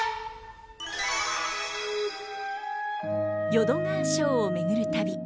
「淀川抄」を巡る旅。